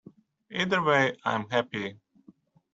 Either way, I’m happy.